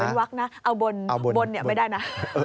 เป็นวักนะเอาบนเนี่ยไม่ได้นะ